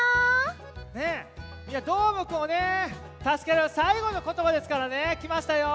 みんなどーもくんをたすけるさいごのことばですからねきましたよ。